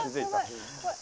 怖い！」